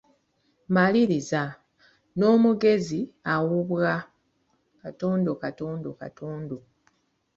Maliriza. N’omugezi awubwa, ….